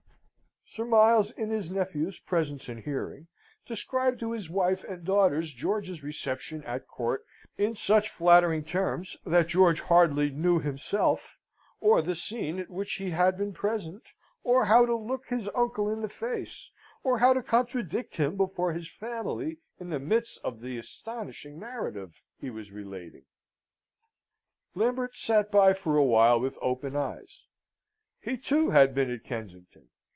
Sir Miles, in his nephew's presence and hearing, described to his wife and daughters George's reception at court in such flattering terms that George hardly knew himself, or the scene at which he had been present, or how to look his uncle in the face, or how to contradict him before his family in the midst of the astonishing narrative he was relating. Lambert sat by for a while with open eyes. He, too, had been at Kensington.